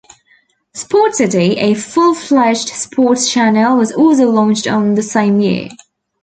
SportCity, a full-fledged sports channel was also launched on the same year.